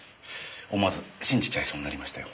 思わず信じちゃいそうになりましたよ。